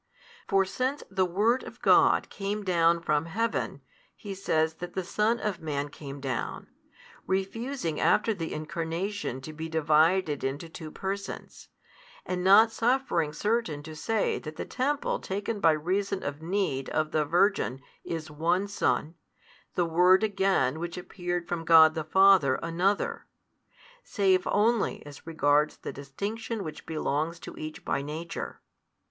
For since the Word of God came down from heaven, He says that the son of man came down, refusing after the Incarnation to be divided into two persons, and not suffering certain to say that the Temple taken by reason of need of the Virgin is one Son, the Word again which appeared from God the Father another: save only as regards the distinction which belongs to each by nature.